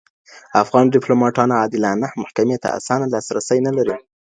افغان ډیپلوماټان عادلانه محکمې ته اسانه لاسرسی نه لري.